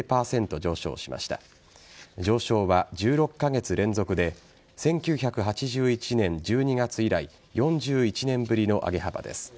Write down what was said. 上昇は１６カ月連続で１９８１年１２月以来４１年ぶりの上げ幅です。